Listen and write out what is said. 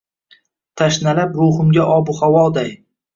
Tashnalab ruhimga ob-u havoday